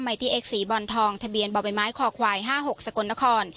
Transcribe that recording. ตี้เอ็กซีบอลทองทะเบียนบ่อใบไม้คอควาย๕๖สกลนคร